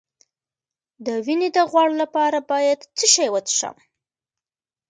د وینې د غوړ لپاره باید څه شی وڅښم؟